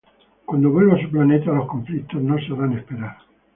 Cuando vuelve a su planeta, los conflictos no se harán esperar.